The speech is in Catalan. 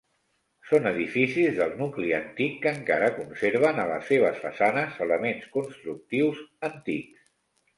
Són edificis del nucli antic que encara conserven a les seves façanes elements constructius antics.